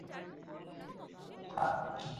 যতটা ভেবেছিলাম, তার চেয়েও তুমি বেশি সুন্দর।